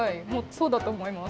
そうだと思います。